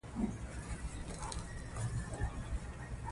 شاهانو باید د هغې غم کړی وای.